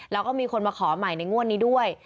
แล้วก็มีคนมาขอใหม่ในงวดนี้ด้วย